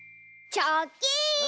チョッキン！